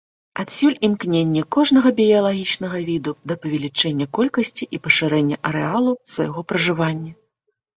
Адсюль імкненне кожнага біялагічнага віду да павелічэння колькасці і пашырэння арэалу свайго пражывання.